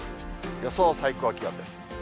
予想最高気温です。